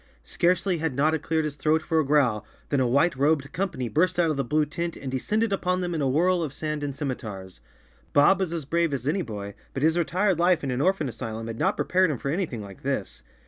Scarcely had Notta cleared his throat for a growl than a white robed company burst out of the blue tent, and descended upon them in a whirl of sand and scimitars. Bob was as brave as any boy, but his retired life in an orphan asylum had not prepared him for anything like this.